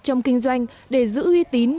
trong kinh doanh để giữ uy tín